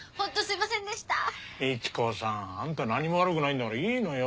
みち子さんあんた何も悪くないんだからいいのよ。